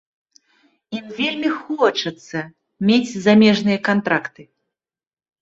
Ім вельмі хочацца мець замежныя кантракты.